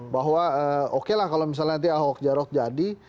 bahwa oke lah kalau misalnya nanti ahok jarot jadi